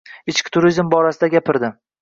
Ichki turizm borasida gapirdi.